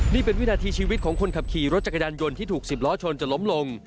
นี่เป็นวินาทีชีวิตของคนขับขี่รถจักรยานยนต์ที่ถูก๑๐ล้อชนจนล้มลง